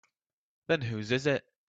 Then whose is it?